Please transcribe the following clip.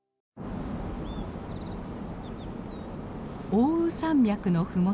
奥羽山脈の麓